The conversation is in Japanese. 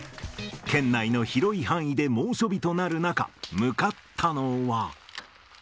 県内の広い範囲で猛暑日となる中、向かったのは。